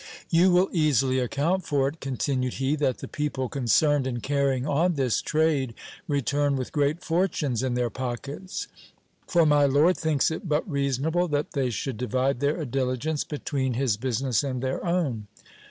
You will easily account for it, continued he, that the people concerned in carrying on this trade return with great fortunes in their pockets ; for my lord thinks it but reasonable that they should divide their diligence between his business and their own.